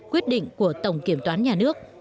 quyết định của tổng kiểm toán nhà nước